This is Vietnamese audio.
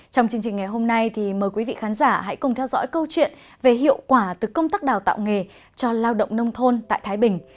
trong chương trình ngày hôm nay mời quý vị khán giả hãy cùng theo dõi câu chuyện về hiệu quả từ công tác đào tạo nghề cho lao động nông thôn tại thái bình